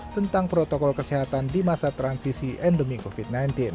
tentang protokol kesehatan di masa transisi endemi covid sembilan belas